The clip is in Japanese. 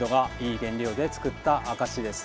原料で作った証しです。